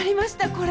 これ。